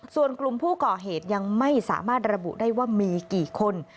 ส่วนกลุ่มผู้ก่อเหตุยังไม่สามารถระบุได้ว่ามีกี่คน